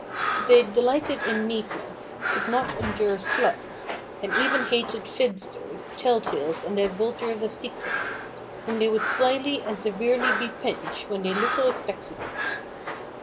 They delighted in neatness, could not endure sluts, and even hated fibsters, tell–tales, and divulgers of secrets, whom they would slily and severely bepinch when they little expected it.